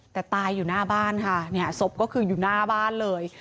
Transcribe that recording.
แต่ตายอยู่หน้าบ้านค่ะเนี่ยศพก็คืออยู่หน้าบ้านเลย